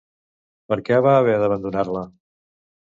Per què va haver d'abandonar-la?